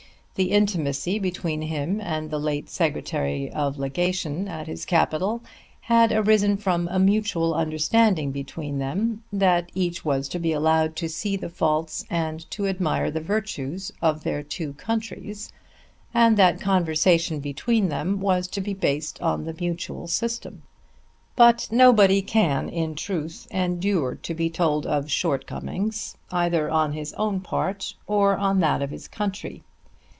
The intimacy between him and the late Secretary of Legation at his capital had arisen from a mutual understanding between them that each was to be allowed to see the faults and to admire the virtues of their two countries, and that conversation between them was to be based on the mutual system. But nobody can, in truth, endure to be told of shortcomings, either on his own part or on that of his country.